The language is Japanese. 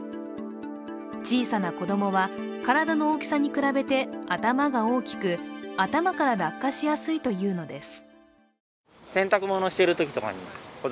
小さな子供は、体の大きさに比べて頭が大きく頭から落下しやすいというのです。